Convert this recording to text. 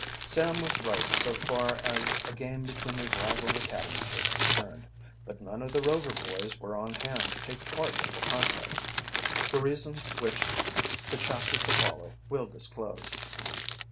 Sam was right so far as a game between the rival academies was concerned, but none of the Rover boys were on hand to take part in the contest for reasons which the chapter to follow will disclose.